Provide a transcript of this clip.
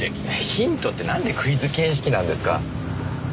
ヒントってなんでクイズ形式なんですか。